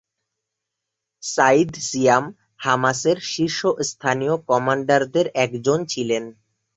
Saeed Siam হামাসের শীর্ষস্থানীয় কমান্ডারদের একজন ছিলেন।